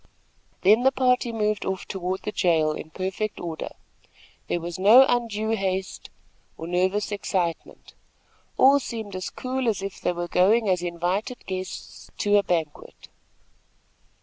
Then the party moved off toward the jail in perfect order. There was no undue haste, or nervous excitement. All seemed as cool as if they were going as invited guests to a banquet.